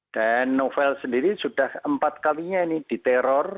dan novel sendiri sudah empat kalinya ini diteror